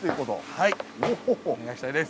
はいお願いしたいです。